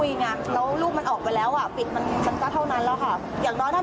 ติดติดสอบว่ามันเล่นสร้างงาน